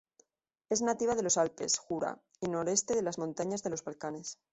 Es nativa de los Alpes, Jura, y noroeste de las montañas de los Balcanes.